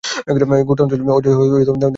গোটা অঞ্চলটি অজয় ও দামোদর নদের মাঝখানে অবস্থিত।